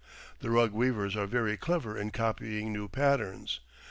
The rug weavers are very clever in copying new patterns.